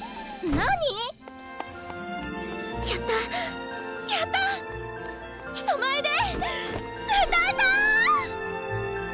何⁉やったやった！人前で歌えた！